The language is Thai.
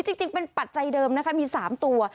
จริงเป็นปัจจัยเดิมนะคะมี๓ตัว